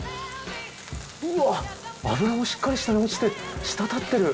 うわっ脂もしっかり下に落ちてしたたってる。